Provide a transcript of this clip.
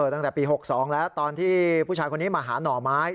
ตั้งแต่ปี๖๒แล้วตอนที่ผู้ชายคนนี้มาหาหน่อไม้